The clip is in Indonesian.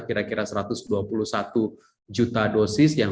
kira kira satu ratus dua puluh satu juta dosis yang